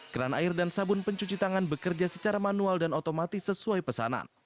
keran air dan sabun pencuci tangan bekerja secara manual dan otomatis sesuai pesanan